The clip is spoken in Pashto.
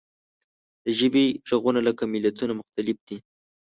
د ژبې غږونه لکه ملتونه مختلف دي.